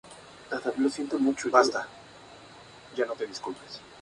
Es un árbol de bosque abierto más de que de bosque espeso.